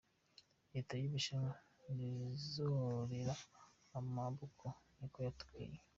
"Leta y'Ubushinwa ntizorera amaboko," niko yatubwiye.